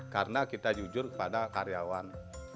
karena kita jujur kepada karyawan